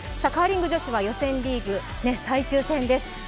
カーリング女子は予選リーグ最終戦です。